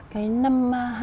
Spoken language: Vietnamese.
cái năm hai nghìn một mươi chín